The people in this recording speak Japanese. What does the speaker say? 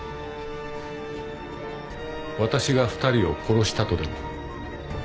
わたしが二人を殺したとでも？